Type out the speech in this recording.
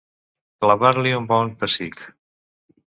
Clavar-li un bon pessic.